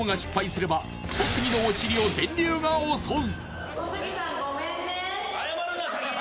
小杉のお尻を電流が襲う！